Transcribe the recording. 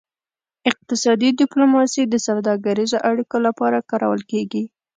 اقتصادي ډیپلوماسي د سوداګریزو اړیکو لپاره کارول کیږي